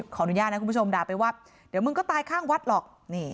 ขออนุญาตนะคุณผู้ชมด่าไปว่าเดี๋ยวมึงก็ตายข้างวัดหรอก